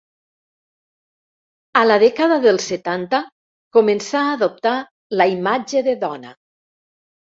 A la dècada dels setanta començà a adoptar la imatge de dona.